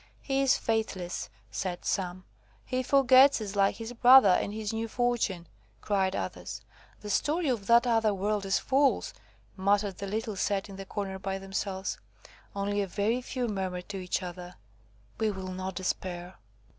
"He is faithless," said some. "He forgets us, like his brother, in his new fortune," cried others. "The story of that other world is false," muttered the little set in the corner by themselves. Only a very few murmured to each other, "We will not despair."